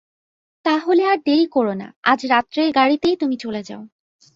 তা হলে আর দেরি কোরো না, আজ রাত্রের গাড়িতেই তুমি চলে যাও।